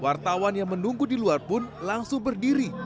wartawan yang menunggu di luar pun langsung berdiri